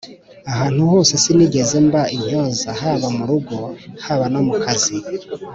Ahantu hose sinigeze mba intyoza haba mu rugo haba no ku kazi